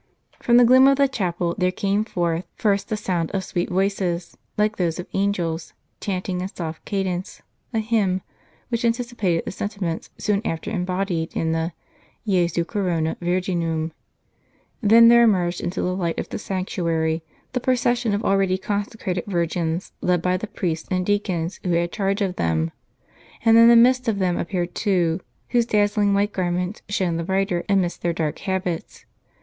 From the gloom of the chapel, there came forth iirst the sound of sweet voices, like those of angels, chanting in soft cadence, a hymn, which anticipated the sentiments soon after embodied in the "Jesu corona virginum."* Then there emerged into the light of the sanctuary the pro cession of abeady consecrated virgins, led by the priests and deacons who had charge of them. And in the midst of them appeared two, whose dazzling white garments shone the brighter amidst their dark habits.